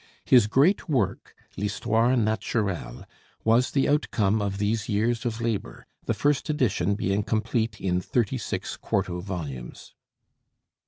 His great work, 'L'Histoire Naturelle,' was the outcome of these years of labor, the first edition being complete in thirty six quarto volumes.